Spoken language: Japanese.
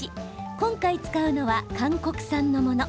今回、使うのは韓国産のもの。